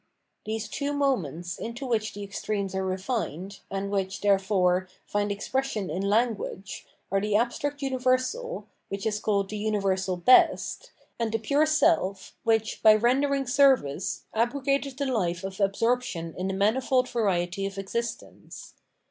These two moments into which the extremes are refined, and which, therefore, find expression in language, are the abstract universal, which is called the "universal best," and the pure self which by rendering service abrogated the hfe of absorption in the manifold variety of existence.